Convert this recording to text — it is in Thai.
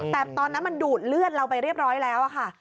แต่ตอนนั้นมันดูดเลือดเราไปเรียบร้อยแล้วค่ะ